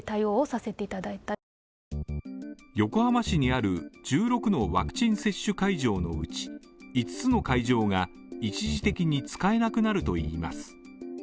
横浜市にある１６のワクチン接種会場のうち五つの会場が一時的に使えなくなるといいます。